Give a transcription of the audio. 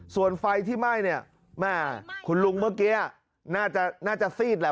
ส่วนไฟที่ไหม้เนี่ยแม่คุณลุงเมื่อกี้น่าจะซีดแหละ